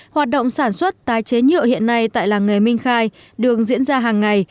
hoạt động sản xuất tái chế nhựa hiện nay tại làng nghề minh khai đường diễn ra hàng ngày